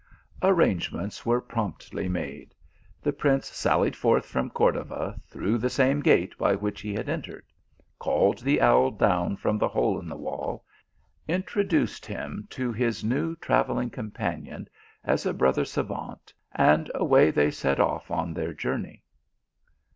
Arrangements were promptly made ; the prince sallied forth from Cordova through the same gate by which he had entered ; called the owl down from the hole in the wall, introduced him to his new travelling companion as a brother sgavant, and away they set off on their journey.